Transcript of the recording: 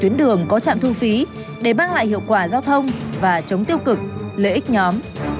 tuyến đường có trạm thu phí để mang lại hiệu quả giao thông và chống tiêu cực lợi ích nhóm